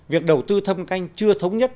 việc đầu tư thâm canh chưa thống nhất